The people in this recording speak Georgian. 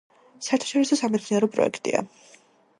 საერთაშორისო სამეცნიერო პროექტია.